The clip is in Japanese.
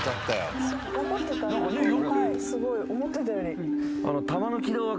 すごい思ってたより。